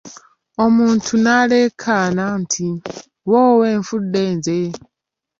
Omuntu n'aleekaana nti, “woowe nfudde nze".